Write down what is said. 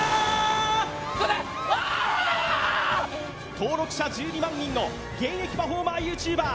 登録者１２万人の現役パフォーマーＹｏｕＴｕｂｅｒ